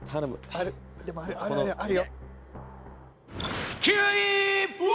あるあるあるよ。